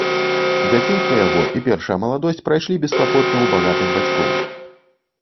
Дзяцінства яго і першая маладосць прайшлі бесклапотна ў багатых бацькоў.